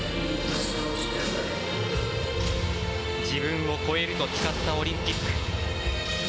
自分を超えると誓ったオリンピック。